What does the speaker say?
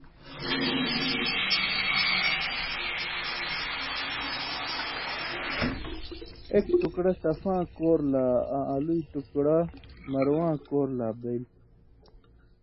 اېک ٹکڑہ صفاں کور لا آں اَلُوۡئ ٹکڑہ مرواں کور لا بَیلیۡ۔